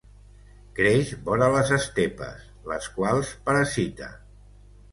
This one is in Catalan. Creix vora les estepes, les quals parasita.